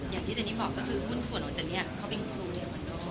อย่างที่เจนนี่บอกถึงอุ้นส่วนนมเจนนี่อ่ะเขาเป็นตำนานอะไร